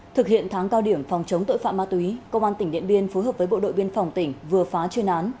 thực hiện tháng cao điểm phòng chống tội phạm ma túy công an tỉnh điện biên phối hợp với bộ đội biên phòng tỉnh vừa phá chuyên án